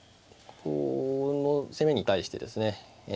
この攻めに対してですねえ